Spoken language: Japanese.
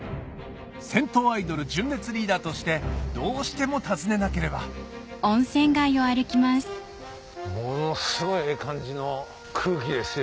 銭湯アイドル純烈・リーダーとしてどうしても訪ねなければものすごいええ感じの空気ですよ。